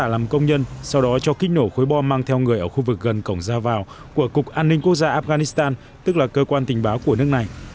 làm công nhân sau đó cho kích nổ khối bom mang theo người ở khu vực gần cổng ra vào của cục an ninh quốc gia afghanistan tức là cơ quan tình báo của nước này